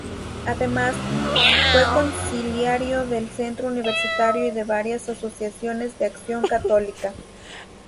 Además, fue consiliario del Centro Universitario y de varias asociaciones de Acción Católica.